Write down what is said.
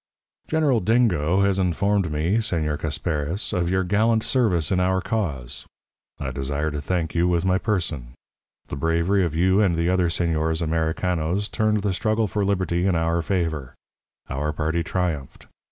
"'General Dingo has informed me, Señor Casparis, of your gallant service in our cause. I desire to thank you with my person. The bravery of you and the other señores Americanos turned the struggle for liberty in our favour. Our party triumphed.